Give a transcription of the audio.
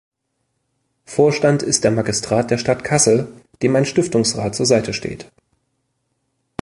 Vorstand ist der Magistrat der Stadt Kassel, dem ein Stiftungsrat zur Seite steht.